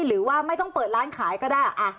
หรือว่าไม่ต้องเปิดร้านขายก็ได้